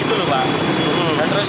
keduanya hingga tewas